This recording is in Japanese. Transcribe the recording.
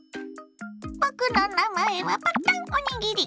僕の名前はパッタンおにぎり。